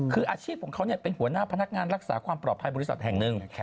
คืออาชีพของเขาเป็นหัวหน้าพนักงานรักษาความปลอดภัยบริษัทแห่งหนึ่ง